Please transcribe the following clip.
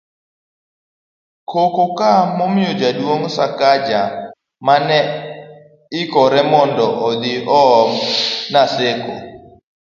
koko ka nomiyo Jaduong' Sakaja ma ne ikore mondo odhi oom Naseko